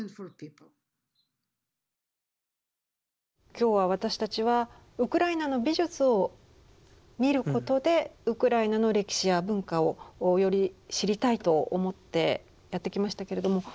今日は私たちはウクライナの美術を見ることでウクライナの歴史や文化をより知りたいと思ってやってきましたけれども